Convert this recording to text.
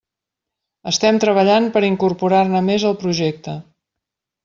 Estem treballant per incorporar-ne més al projecte.